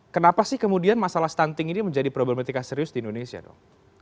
kenapa sih kemudian masalah stunting ini menjadi problematika serius di indonesia dok